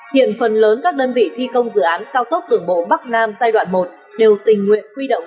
hiện phần lớn các đơn vị thi công dự án cao tốc đường bộ bắc nam giai đoạn một đều tình nguyện huy động